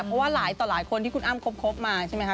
เพราะว่าหลายต่อหลายคนที่คุณอ้ำคบมาใช่ไหมคะ